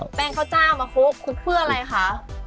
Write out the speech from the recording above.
แป้งข้าวเจ้ามาคลุกคลุกเพื่ออะไรคะ